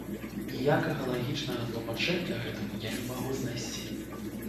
Ніякага лагічнага тлумачэння гэтаму я не магу знайсці.